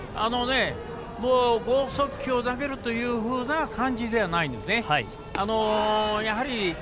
もう豪速球を投げるというような感じではないんですね。